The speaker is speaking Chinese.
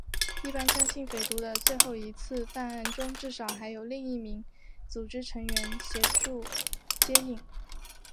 一般相信匪徒的最后一次犯案中至少还有另一名组织成员协助接应。